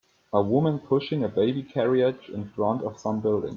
A woman pushing a baby carriage in front of some buildings.